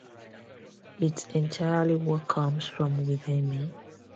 It's entirely what comes from within me.